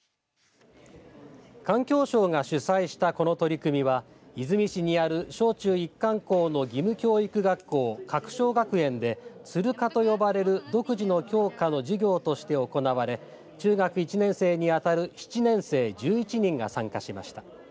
環境省が主催したこの取り組みは出水市にある小中一貫校の義務教育学校鶴荘学園でツル科と呼ばれる独自の教科の授業として行われ中学１年生にあたる７年生１１人が参加しました。